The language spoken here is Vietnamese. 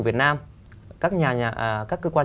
việt nam các cơ quan